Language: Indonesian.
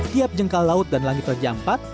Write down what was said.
tiap jengkal laut dan langit raja ampat